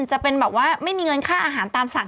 จะเป็นแบบว่าไม่มีเงินค่าอาหารตามสั่ง